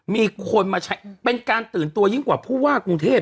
มีคนมาใช้เป็นการตื่นตัวยิ่งกว่าผู้ว่ากรุงเทพ